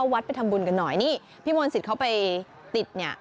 วัดไปทำบุญกันหน่อยนี่พี่มนต์สิทธิ์เขาไปติดเนี่ย